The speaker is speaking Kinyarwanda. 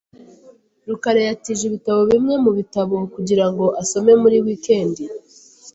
rukara yatije ibitabo bimwe mubitabo kugirango asome muri wikendi .